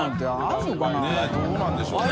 佑どうなんでしょうね。